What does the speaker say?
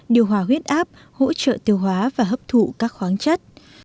điều hòa huyết áp hỗ trợ tiêu hóa và hấp thụ các khoáng chất